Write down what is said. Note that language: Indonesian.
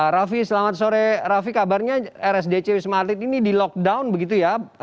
raffi selamat sore raffi kabarnya rsdc wisma atlet ini di lockdown begitu ya